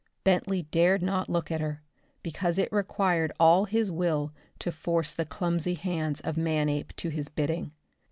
Bentley dared not look at her, because it required all his will to force the clumsy hands of Manape to his bidding.